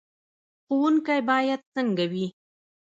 ښوونکی باید څنګه وي؟